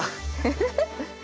フフフッ。